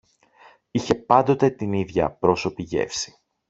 είχε πάντοτε την ίδια απρόσωπη γεύση